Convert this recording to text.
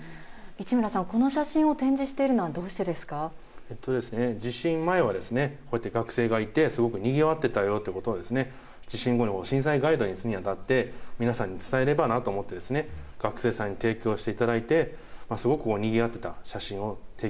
市村さん、この写真を展示してい地震前は、こうやって学生がいて、すごくにぎわってたよということを、地震後に震災ガイドをするにあたって、皆さんに伝えればなと思って、学生さんに提供していただいて、すごくにぎわってた写真を提